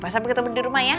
sampai ketemu di rumah ya